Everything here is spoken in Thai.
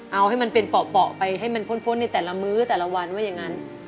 เอาให้มันเป็นเปาะไปให้มันพ้นในแต่ละมื้อแต่ละวันว่าอย่างนั้น